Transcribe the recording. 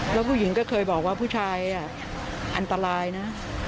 แล้วผู้หญิงก็เคยบอกว่าผู้ชายอันตรายนะ